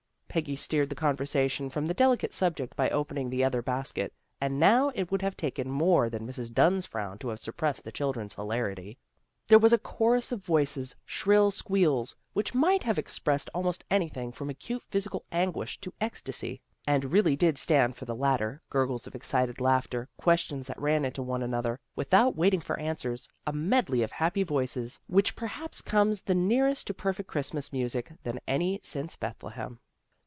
Peggy steered the conversation from the delicate subject by opening the other basket, and now it would have taken more than Mrs. Dunn's frown to have suppressed the children's hilarity. There was a chorus of voices, shrill squeals, which might have expressed almost anything from acute physical anguish to ecstasy, and really did stand for the latter, gurgles of excited laughter, questions that ran into one another, without waiting for answers, a medley of happy voices which perhaps comes the near est to perfect Christmas music than any since Bethlehem.